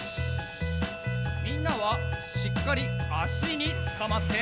みんなはしっかりあしにつかまって！